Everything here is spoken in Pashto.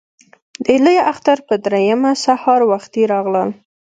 د لوی اختر په درېیمه سهار وختي راغلل.